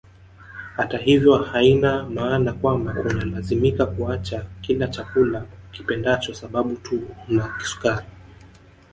Hata hivyo haina maana kwamba unalazimika kuacha kila chakula ukipendacho sababu tu una kisukari